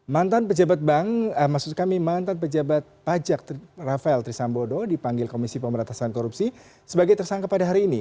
mantan pejabat bank maksud kami mantan pejabat pajak rafael trisambodo dipanggil komisi pemerintahan korupsi sebagai tersangka pada hari ini